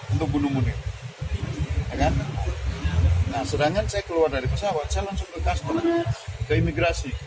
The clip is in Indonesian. untuk bunuh munir nah sedangkan saya keluar dari pesawat saya langsung ke customer ke imigrasi